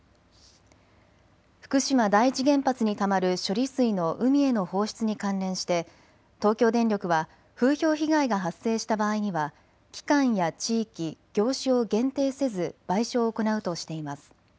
福島第一原発にたまる処理水の海への放出に関連して東京電力は風評被害が発生した場合には期間や地域、業種を限定せず賠償を行うとしています。